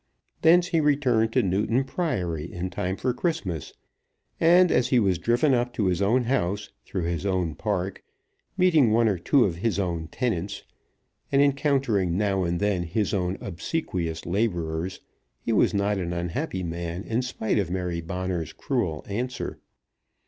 Thence he returned to Newton Priory in time for Christmas, and as he was driven up to his own house, through his own park, meeting one or two of his own tenants, and encountering now and then his own obsequious labourers, he was not an unhappy man in spite of Mary Bonner's cruel answer.